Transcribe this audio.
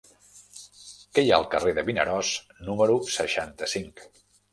Què hi ha al carrer de Vinaròs número seixanta-cinc?